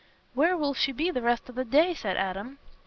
"Where will she be the rest o' the day?" said Adam.